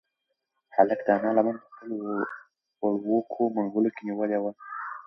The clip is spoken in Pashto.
هلک د انا لمن په خپلو وړوکو منگولو کې نیولې وه.